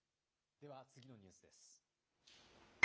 では次のニュースです。